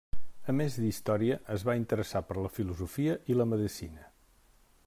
A més d'història es va interessar per la filosofia i la medicina.